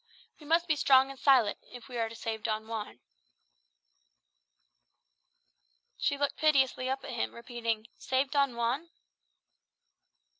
"We must be strong and silent, if we are to save Don Juan." She looked piteously up at him, repeating, "Save Don Juan?"